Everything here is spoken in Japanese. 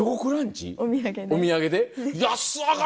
お土産で？